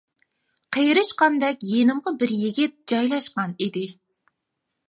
قىرىشقاندەك يېنىمغا بىر يىگىت جايلاشقان ئىدى.